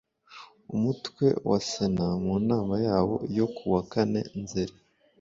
Umutwe wa Sena mu nama yawo yo kuwa kane nzeri